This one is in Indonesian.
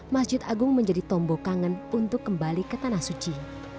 masjid agung menjadi tombok kangen untuk kembali ke tanah suci